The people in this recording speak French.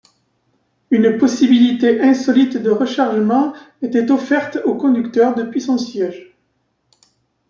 Une possibilité insolite de rechargement était offerte au conducteur depuis son siège.